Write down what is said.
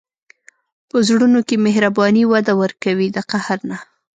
په زړونو کې مهرباني وده ورکوي، د قهر نه.